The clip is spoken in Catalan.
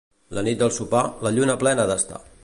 La nit del sopar, la lluna plena ha d'estar.